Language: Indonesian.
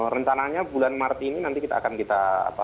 rencananya bulan maret ini nanti kita akan kita